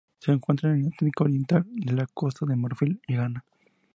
Se encuentra en el Atlántico oriental: la Costa de Marfil y Ghana.